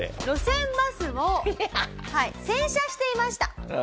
路線バスを洗車していました。